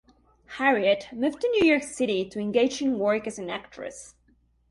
Harriet moved to New York City to engage in work as an actress.